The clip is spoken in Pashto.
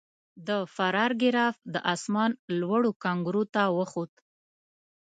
د فرار ګراف د اسمان لوړو کنګرو ته وخوت.